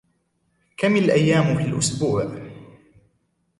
كم الأيام في الأسبوع ؟